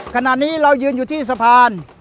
ขณะนี้เรายืนอยู่ที่สะพาน